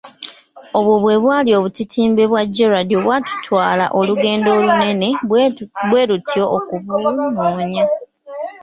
Obwo bwe bwali obutitimbe bwa Gerald obwatutwala olugendo olunene bwe lutyo okubunoonya.